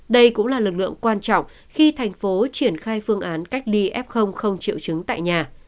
đây cũng là lực lượng quan trọng khi thành phố triển khai phương án cách ly f không triệu chứng tại nhà